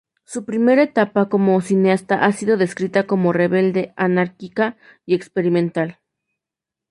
Su primer etapa como cineasta ha sido descrita como "rebelde, anárquica y experimental".